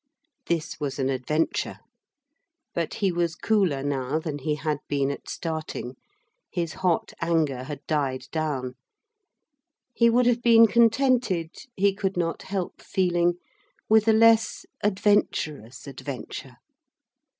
This was an adventure. But he was cooler now than he had been at starting his hot anger had died down. He would have been contented, he could not help feeling, with a less adventurous adventure.